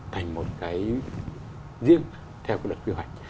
thành một cái riêng theo cái luật quy hoạch